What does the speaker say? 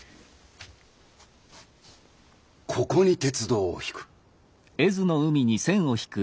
ここに鉄道をひく。